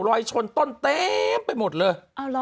ชนต้นเต็มไปหมดเลย